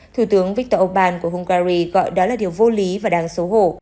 thủ tướng viktor orbán của hungary gọi đó là điều vô lý và đáng xấu hổ